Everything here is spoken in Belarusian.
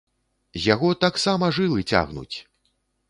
З яго таксама жылы цягнуць!